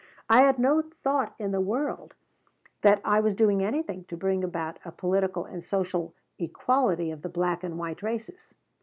I had no thought in the world that I was doing anything to bring about a political and social equality of the black and white races.